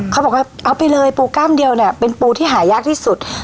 เขาบอกว่าเอาไปเลยปูกล้ามเดียวเนี่ยเป็นปูที่หายากที่สุด